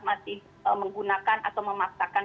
masih menggunakan atau memaksakan